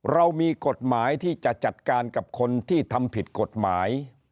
เรามีกฎหมายที่จะจัดการกับคนที่ทำผิดกฎหมาย